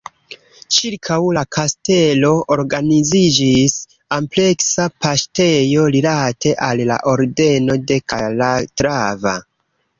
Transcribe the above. Ĉirkaŭ la kastelo organiziĝis ampleksa paŝtejo rilate al la Ordeno de Kalatrava.